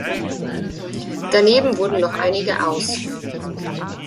Daneben wurden noch einige „Ausf.